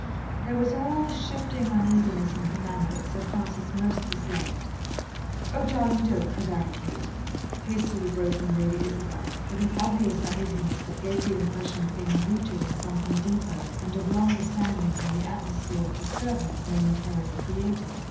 There was all the shifting uneasiness in her manner that Sir Francis most disliked. "Oh, darling, don't prevaricate," hastily broke in Lady Isabel, with an obvious uneasiness that gave the impression of being rooted in something deeper and of longer standing than the atmosphere of disturbance momentarily created.